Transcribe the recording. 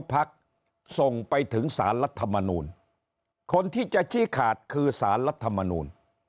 พักส่งไปถึงสารรัฐมนูลคนที่จะชี้ขาดคือสารรัฐมนูล